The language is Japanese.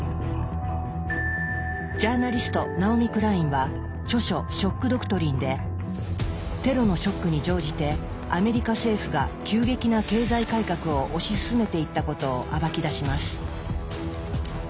ジャーナリストナオミ・クラインは著書「ショック・ドクトリン」でテロのショックに乗じてアメリカ政府が急激な経済改革を推し進めていったことを暴き出します。